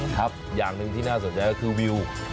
ครับอย่างหนึ่งที่น่าสนใจก็คือวิว